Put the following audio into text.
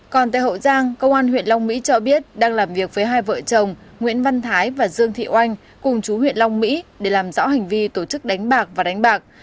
còn tại hậu giang công an huyện long mỹ cho biết đang làm việc với hai vợ chồng nguyễn văn thái và dương thị oanh cùng chú huyện long mỹ để làm rõ hành vi tổ chức đánh bạc và đánh bạc